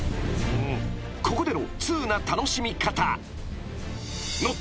［ここでの通な楽しみ方］